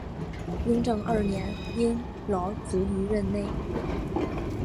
雍正二年因劳卒于任内。